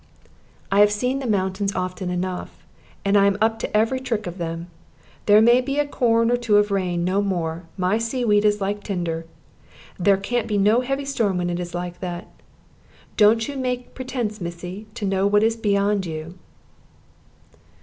"I have seen the mountains often enough, and I am up to every trick of them. There may be a corn or two of rain; no more. My sea weed was like tinder. There can't be no heavy storm when it is like that. Don't you make pretense, missy, to know what is beyond you."